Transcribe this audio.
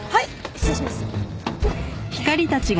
失礼します。